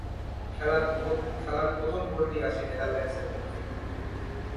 খেলার প্রথম গোলটি আসে নেদারল্যান্ডসের পক্ষে।